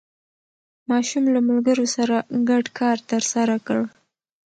ماشوم له ملګرو سره ګډ کار ترسره کړ